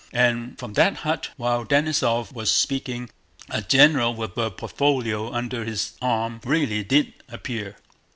And from that hut, while Denísov was speaking, a general with a portfolio under his arm really did appear.